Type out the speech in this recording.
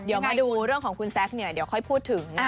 เดี๋ยวมาดูเรื่องของคุณแซคเนี่ยเดี๋ยวค่อยพูดถึง